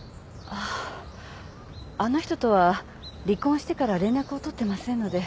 あの人とは離婚してから連絡を取ってませんので。